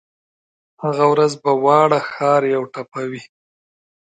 هغه ورځ به واړه ښار یوه ټپه وي